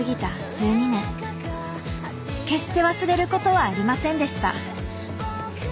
決して忘れることはありませんでした。